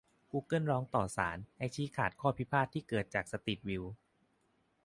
กูเกิลร้องต่อศาลสูง ให้ชี้ขาดข้อพิพาทที่เกิดจากสตรีทวิว